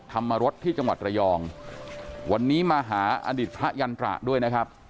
ธรรมรสที่จังหวัดระยองวันนี้มาหาอดีตพระยันตระด้วยนะครับ